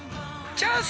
チャンス！